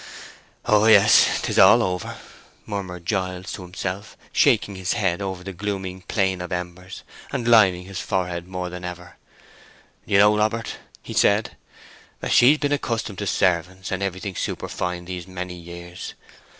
"Oh yes—'tis all over!" murmured Giles to himself, shaking his head over the glooming plain of embers, and lining his forehead more than ever. "Do you know, Robert," he said, "that she's been accustomed to servants and everything superfine these many years?